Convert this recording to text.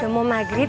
udah mau maghrib